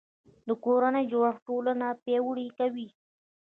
د کورنۍ جوړښت ټولنه پیاوړې کوي